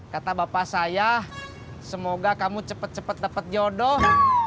kata bapak saya semoga kamu cepet cepet dapet jodoh